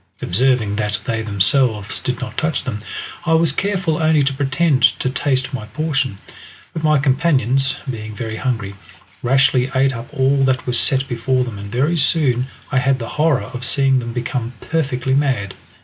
Observing that they themselves did not touch them, I was careful only to pretend to taste my portion; but my companions, being very hungry, rashly ate up all that was set before them, and very soon I had the horror of seeing them become perfectly mad.